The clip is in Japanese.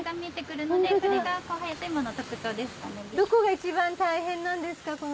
どこか一番大変なんですか？